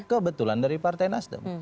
kebetulan dari partai nasdem